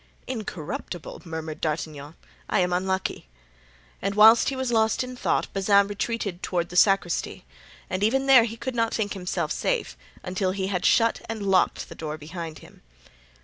"Incorruptible!" murmured D'Artagnan; "I am unlucky;" and whilst he was lost in thought Bazin retreated toward the sacristy, and even there he could not think himself safe until he had shut and locked the door behind him.